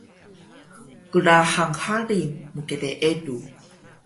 Qlahang hari mkleeluw